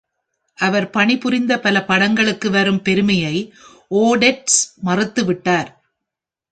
அவர் பணிபுரிந்த பல படங்களுக்கு வரும் பெருமையை ஓடெட்ஸ் மறுத்துவிட்டார்.